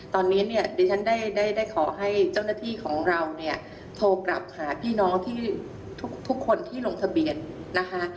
ตอนนี้เนี่ยดิฉันได้ได้ขอให้เจ้าหน้าที่ของเราเนี่ยโทรกลับหาพี่น้องที่ทุกคนที่ลงทะเบียนนะคะ